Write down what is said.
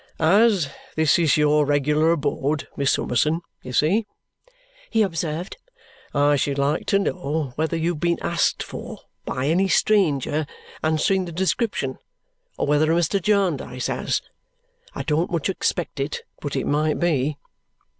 "As this is your regular abode, Miss Summerson, you see," he observed, "I should like to know whether you've been asked for by any stranger answering the description, or whether Mr. Jarndyce has. I don't much expect it, but it might be."